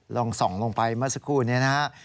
ลองส่องลงไปมาสักครู่นี้นะครับ